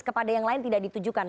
kepada yang lain tidak ditujukan